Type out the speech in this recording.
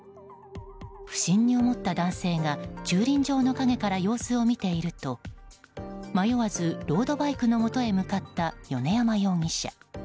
不審に思った男性が駐輪場の陰から様子を見ていると迷わずロードバイクのもとへ向かった米山容疑者。